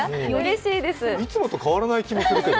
いつもと変わらない気もするけど。